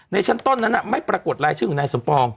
ในชั้นต้นนั้นไม่ปรากฏรายชื่อของนายสมปอง